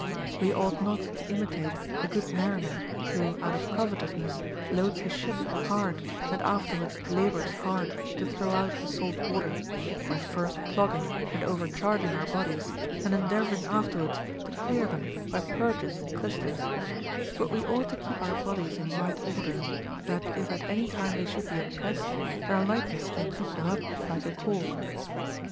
We ought not to imitate the good mariner λυΙιο out of cov etousness loads his ship hard and afterwards labors hard to throw out the salt water, by first clogging and over charging our bodies and endeavoring afterwards to clear them by purges and clysters ; but we ought to keep our RULES FOR THE PRESERVATION OF HEALTH. 261 bodies in right order, that if at any time they should be oppressed, their lightness may keep them up like a cork.